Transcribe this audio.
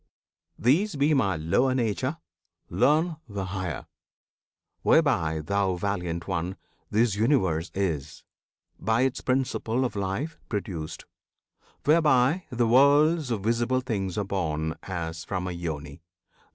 These be my lower Nature; learn the higher, Whereby, thou Valiant One! this Universe Is, by its principle of life, produced; Whereby the worlds of visible things are born As from a Yoni.